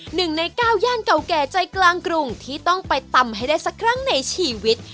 หนึ่งในเก้าย่านเก่าแก่ใจกลางกรุงที่ต้องไปตำให้ได้สักครั้งในชีวิต